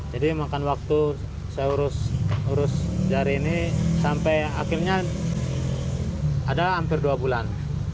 jadi makan waktu saya urus jari ini sampai akhirnya ada hampir dua bulan